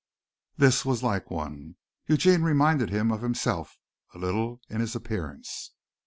This was like one. Eugene reminded him of himself a little in his appearance.